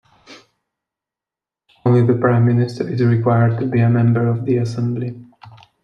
Only the prime minister is required to be a member of the assembly.